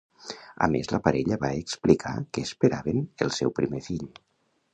A més, la parella va explicar que esperaven el seu primer fill.